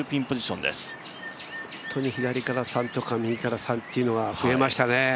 本当に左から３とか、右から３というのが増えましたね。